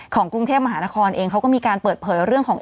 กรุงเทพมหานครเองเขาก็มีการเปิดเผยเรื่องของ